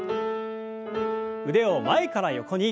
腕を前から横に。